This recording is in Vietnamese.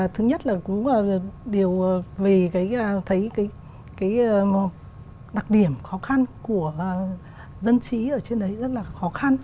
thứ nhất là cũng đều về thấy cái đặc điểm khó khăn của dân trí ở trên đấy rất là khó khăn